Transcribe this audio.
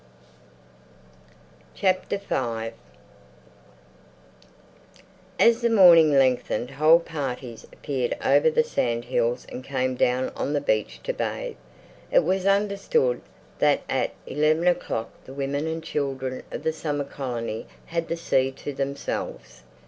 V As the morning lengthened whole parties appeared over the sand hills and came down on the beach to bathe. It was understood that at eleven o'clock the women and children of the summer colony had the sea to themselves.